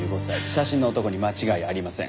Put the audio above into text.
写真の男に間違いありません。